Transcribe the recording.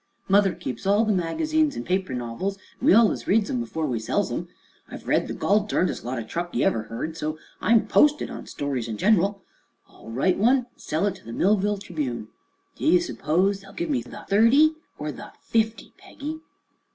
Mother keeps all the magazines an' paper novils, an' we allus reads 'em afore we sells 'em. I've read the gol durndest lot o' truck ye ever heard of, so I'm posted on stories in gen'ral. I'll write one an' sell it to the Millville Tribune. Do ye s'pose they'll give me the thirty, er the fifty, Peggy?"